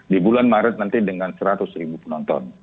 di bulan maret nanti dengan seratus ribu penonton